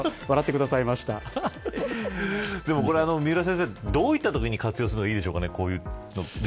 三浦先生、どういったときに活用するのがいいでしょうか。